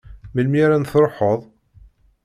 Melmi ara n-truḥeḍ?